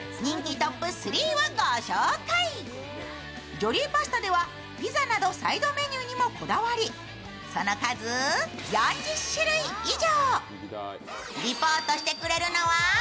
ジョリーパスタではピザなどサイドメニューにもこだわり、その数４０種類以上。